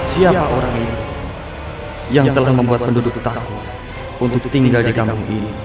siapa orang yang telah membuat penduduk takut untuk tinggal di kampung ini